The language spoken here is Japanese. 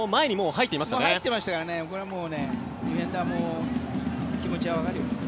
入ってましたからこれはもうディフェンダーも気持ちはわかるよ。